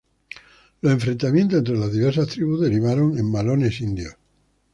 Los enfrentamientos entre las diversas tribus derivaron en malones indios.